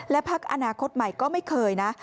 พักอนาคตใหม่ก็ไม่เคยนะ